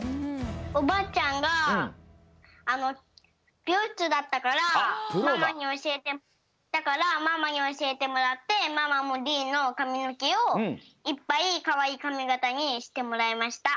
おばあちゃんがびようしつだったからだからママにおしえてもらってママもりーのかみのけをいっぱいかわいいかみがたにしてもらいました。